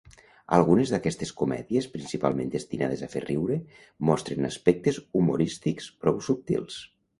Algunes d'aquestes comèdies, principalment destinades a fer riure, mostren aspectes humorístics prou subtils.